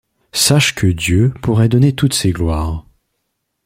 Sache que Dieu pourrait donner toutes ces gloires